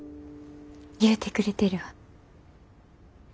言うてくれてるわ。